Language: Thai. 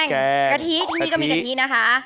กะทิที่นี่ก็มีกะทินะคะ